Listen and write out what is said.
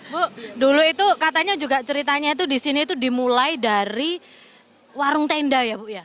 bu dulu itu katanya juga ceritanya itu di sini itu dimulai dari warung tenda ya bu ya